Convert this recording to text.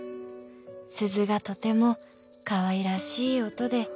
「鈴がとてもかわいらしい音で」